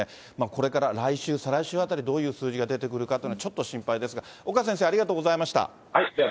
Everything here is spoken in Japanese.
これから来週、再来週あたりどういう数字が出てくるかっていうのが、ちょっと心配ですが、岡先生、ありがとうございました。